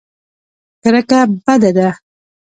کرکه بده ده.